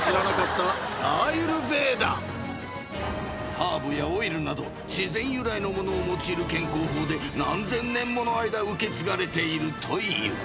［ハーブやオイルなど自然由来のものを用いる健康法で何千年もの間受け継がれているという］